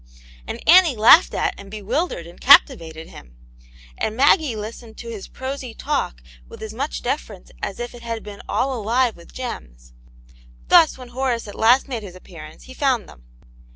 And Annie laughed at and bewildered and captivated him, and Maggie listened to his prosy talk with as n^uch deference as if it had been all alive with gems. Thus, when Horace at last made his appear ance, he found them.